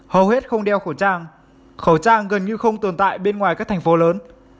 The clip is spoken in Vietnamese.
hầu hết không đeo khẩu trang khẩu trang gần như không tồn tại bên ngoài các thành phố lớn